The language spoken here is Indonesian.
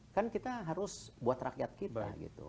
kan kita harus buat rakyat kita gitu